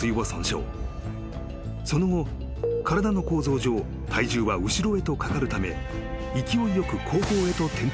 ［その後体の構造上体重は後ろへとかかるため勢いよく後方へと転倒］